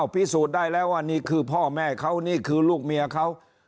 พิสูจน์ได้แล้วว่านี่คือพ่อแม่เขานี่คือลูกเมียเขา